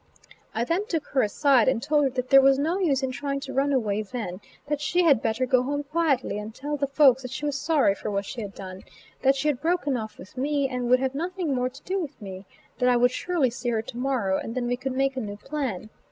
I then took her aside and told her that there was no use in trying to run away then; that she had better go home quietly, and tell the folks that she was sorry for what she had done, that she had broken off with me, and would have nothing more to do with me; that I would surely see her to morrow, and then we could make a new plan.